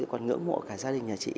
còn ngưỡng mộ cả gia đình nhà chị